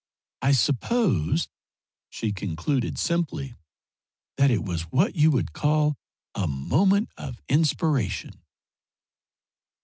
I suppose," she concluded, simply, "that it was what you would call a moment of inspiration."